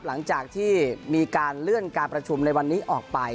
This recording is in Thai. หลังจากที่มีการเลื่อนการประชุมในวันนี้ออกไป